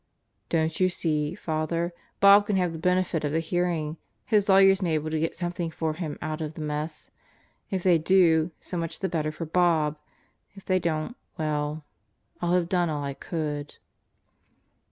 "Don't you see, Father? Bob can have the benefit of the hear ing. His lawyers may be able to get something for him out of the mess. If they do, so much the better for Bob. If they don't well ... I'll have done all I could."